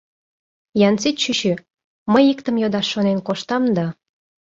Янсит чӱчӱ, мый иктым йодаш шонен коштам да...